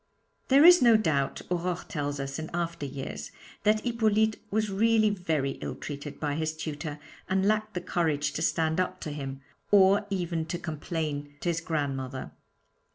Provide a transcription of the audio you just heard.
There is no doubt, Aurore tells us in after years, that Hippolyte was really very ill treated by his tutor, and lacked the courage to stand up to him, or even to complain to his grandmother.